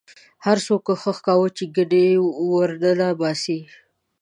هر څوک کوښښ کاوه چې ګنې ورننه باسي.